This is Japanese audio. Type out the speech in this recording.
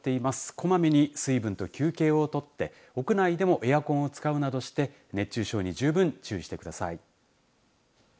こまめに水分と休憩を取って屋内でもエアコンを使うなどして熱中症に十分注意してください。